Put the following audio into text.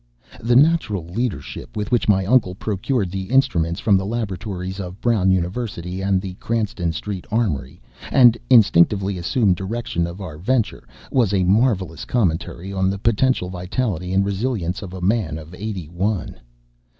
The natural leadership with which my uncle procured the instruments from the laboratories of Brown University and the Cranston Street Armory, and instinctively assumed direction of our venture, was a marvelous commentary on the potential vitality and resilience of a man of eighty one.